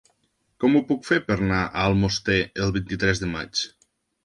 Com ho puc fer per anar a Almoster el vint-i-tres de maig?